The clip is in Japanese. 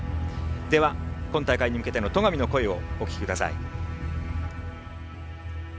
では今大会に向けての戸上の声をお聞きください。